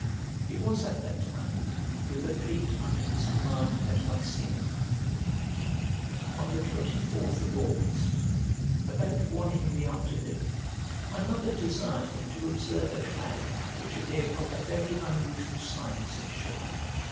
He was at that time with the fleet under his command at Misenum. On the 24th of August, about one in the afternoon, my mother desired him to observe a cloud which appeared of a very unusual size and shape.